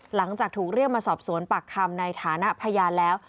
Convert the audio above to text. หลังจากถูกเรียกมาสอบสวนปากคำในฐานะพยานแล้ว